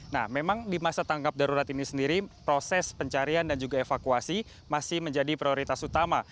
nah memang di masa tangkap darurat ini sendiri proses pencarian dan juga evakuasi masih menjadi prioritas utama